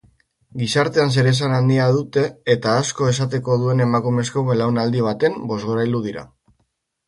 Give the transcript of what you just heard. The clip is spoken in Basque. Gizartean zeresan handia dute eta asko esateko duen emakumezko belaunaldi baten bozgorailu dira.